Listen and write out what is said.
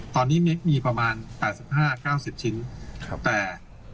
ตอนนี้มีมีประมาณห้าสักห้าเก้าเศสชิ้นครับแต่